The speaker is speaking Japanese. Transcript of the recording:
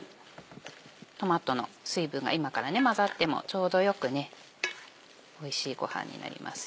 トマトの水分が今から混ざってもちょうど良くおいしいごはんになります。